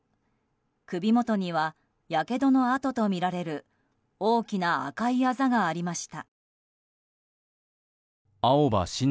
首元にはやけどの痕とみられる大きな赤いあざがありました。